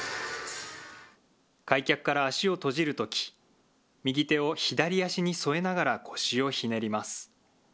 開脚から足を閉じるとき、右手を左足に添えながら腰をひねります。